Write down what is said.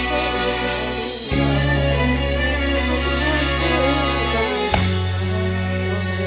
กรอย่างเยอะไปหมด